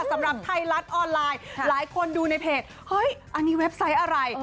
สำหรับไทยรัฐออนไลน์หลายคนดูในเพจเฮ้ยอันนี้เว็บไซต์อะไร